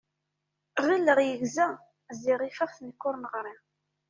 Ɣileɣ yegza, ziɣ ifeɣ-t nekk ur neɣṛi.